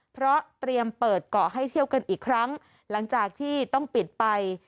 เพราะเตรียมเปิดเกาะให้เที่ยวกันอีกครั้งหลังจากที่ต้องปิดไป